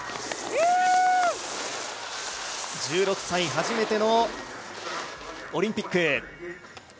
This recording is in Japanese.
１６歳、初めてのオリンピック。